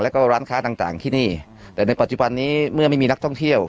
แล้วก็ร้านค้าต่างที่นี่แต่ในปัจจุบันนี้เมื่อไม่มีนักท่องเที่ยว